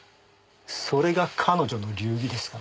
それが彼女の流儀ですから。